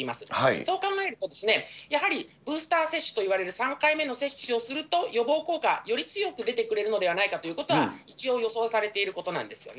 そう考えると、やはり、ブースター接種といわれる３回目の接種をすると、予防効果、より強く出てくれるのではないかということは、一応予想されていることなんですよね。